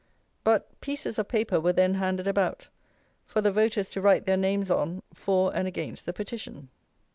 But, pieces of paper were then handed about, for the voters to write their names on for and against the petition.